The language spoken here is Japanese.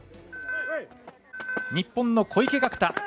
日本の小池岳太